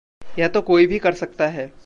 यह तो कोई भी कर सकता है।